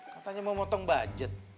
katanya mau motong budget